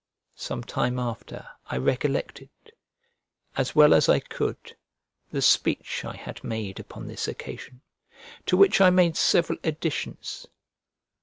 " Some time after I recollected, as well as I could, the speech I had made upon this occasion; to which I made several additions.